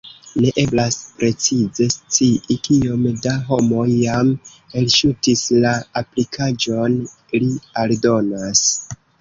Ne eblas precize scii, kiom da homoj jam elŝutis la aplikaĵon, li aldonas.